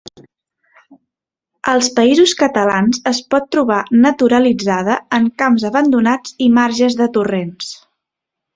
Als països catalans es pot trobar naturalitzada en camps abandonats i marges de torrents.